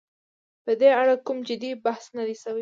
په دې اړه کوم جدي بحث نه دی شوی.